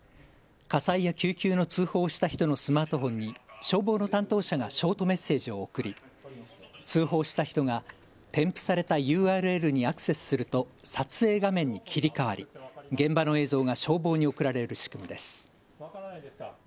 火災や救急の通報をした人のスマートフォンに消防の担当者がショートメッセージを送り通報した人が添付されたＵＲＬにアクセスすると撮影画面に切り替わり、現場の映像が消防に送られる仕組みです。